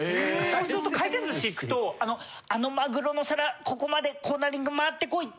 そうすると回転寿司行くとあのマグロの皿ここまでコーナーリング回ってこい！